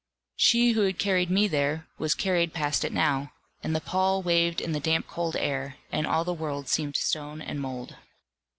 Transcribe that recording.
She who had carried me there was carried past it now, and the pall waved in the damp cold air, and all the world seemed stone and mould.